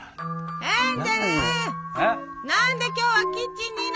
何で今日はキッチンにいないの！